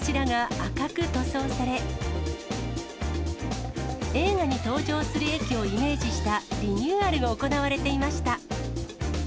ホームの柱が赤く塗装され、映画に登場する駅をイメージしたリニューアルが行われていました。